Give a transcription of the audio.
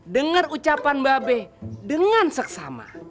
dengar ucapan mbak be dengan seksama